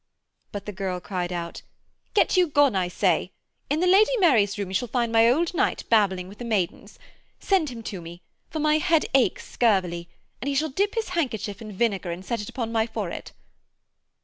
But the girl cried out, 'Get you gone, I say! In the Lady Mary's room you shall find my old knight babbling with the maidens. Send him to me, for my head aches scurvily, and he shall dip his handkerchief in vinegar and set it upon my forehead.'